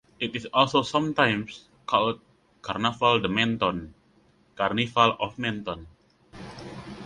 It is also sometimes called Carnaval de Menton (Carnival of Menton).